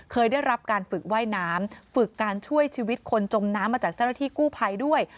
เคยได้รับการฝึกว่ายน้ำฝึกการช่วยชีวิตคนจมน้ำมาจากเจ้าหน้าที่กู้ภัยด้วย